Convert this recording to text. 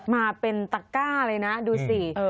มาเป็นตะก้าเลยนะดูสิ